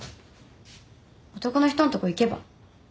男の人のとこ行けば？